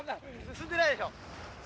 進んでないでしょ。